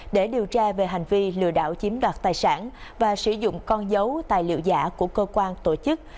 để điều tra về hành vi lừa đảo chiếm đoạt tài sản và sử dụng con dấu tài liệu giả của cơ quan tổ chức